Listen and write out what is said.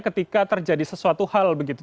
ketika terjadi sesuatu hal begitu